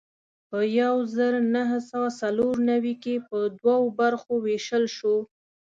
په یو زر نهه سوه څلور نوي کې په دوو برخو وېشل شو.